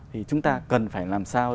thì chúng ta cần phải làm sao